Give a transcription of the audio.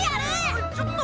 あっちょっと。